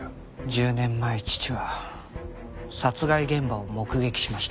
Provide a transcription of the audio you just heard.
１０年前父は殺害現場を目撃しました。